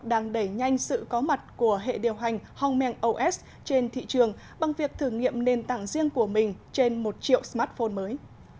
đang đẩy nhanh sự có mặt của hệ điều hành hongmen os trên thị trường bằng việc thử nghiệm nền tảng riêng của mình trên một triệu smartphone mới